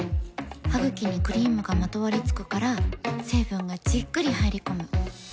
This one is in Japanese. ハグキにクリームがまとわりつくから成分がじっくり入り込む。